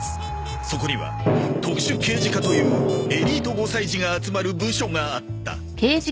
そこには特殊刑児課というエリート５歳児が集まる部署があった